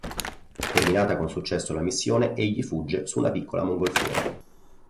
Terminata con successo la missione, egli fugge su una piccola mongolfiera.